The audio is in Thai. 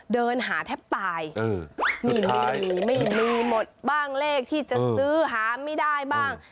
เดินหาแทบตายไม่มีไม่มีหมดบ้างเลขที่จะซื้อหาไม่ได้บ้าง